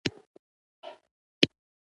څوکې د قلم، قلم کرمه